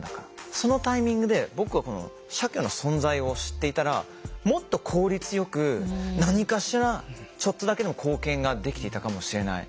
そのタイミングで僕はこの社協の存在を知っていたらもっと効率よく何かしらちょっとだけでも貢献ができていたかもしれない。